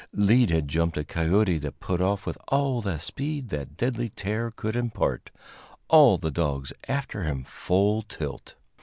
Lead had jumped a coyote that put off with all the speed that deadly terror could impart all the dogs after him full tilt.